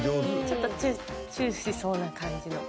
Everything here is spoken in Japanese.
ちょっとチューしそうな感じの。